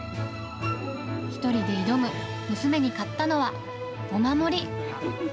１人で挑む娘に買ったのはお守り。